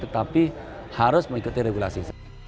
tetapi harus mengikuti regulasi